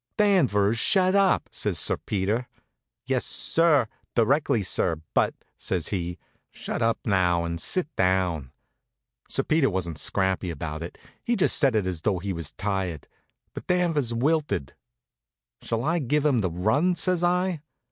"Danvers, shut up!" says Sir Peter. "Yes, sir; directly, sir; but " says he. "Shut up now and sit down!" Sir Peter wasn't scrappy about it. He just said it as though he was tired. But Danvers wilted. "Shall I give 'em the run?" says I.